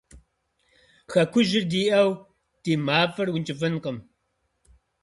Жьэгужьыр диӏэу ди мафӏэр ункӏыфӏынкъым.